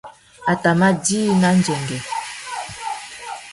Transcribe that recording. A tà mà djï nà ndzengüê.